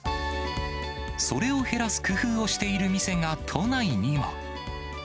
それを減らす工夫をしている店が都内にも。